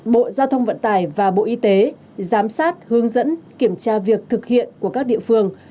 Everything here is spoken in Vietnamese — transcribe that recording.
bộ giao thông vận tải và bộ y tế giám sát hướng dẫn kiểm tra việc thực hiện của các địa phương